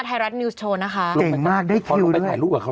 ไทยรัฐนิวส์โชว์นะคะเจ๋งมากได้คิวด้วยพอลงไปถ่ายลูกกับเขา